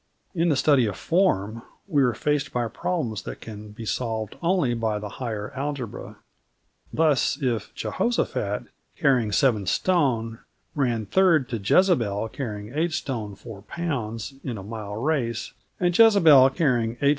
In the study of form we are faced by problems that can be solved only by the higher algebra. Thus, if Jehoshaphat, carrying 7 st., ran third to Jezebel, carrying 8 st. 4 lb., in a mile race, and Jezebel, carrying 8 st.